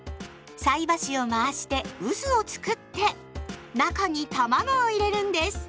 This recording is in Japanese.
菜箸を回して渦をつくって中にたまごを入れるんです。